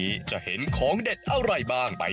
ขอเชิกขอลาบหน่อยนะอูไทย